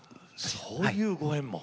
そういうご縁も！